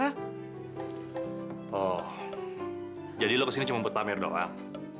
oh jadi lo kesini cuma buat pamer doang